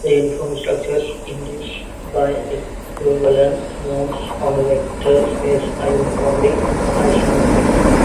The uniform structures induced by equivalent norms on a vector space are uniformly isomorphic.